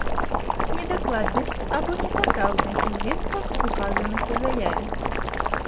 Недакладнасць або несапраўднасць звестак, указаных у заяве.